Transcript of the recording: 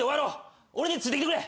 俺についてきてくれ！